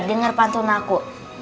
nih denger pantun aku